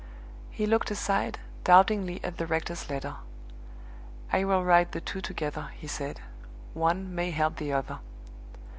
He looked aside doubtingly at the rector's letter. "I will write the two together," he said. "One may help the other."